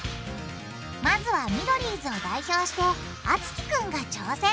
まずはミドリーズを代表してあつきくんが挑戦。